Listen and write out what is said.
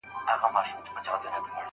د بلوط غښتلې ونه پر خپل ځای وه لا ولاړه